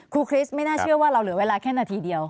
คริสไม่น่าเชื่อว่าเราเหลือเวลาแค่นาทีเดียว